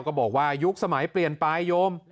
บอกว่ายุคสมัยเปลี่ยนปลายโยม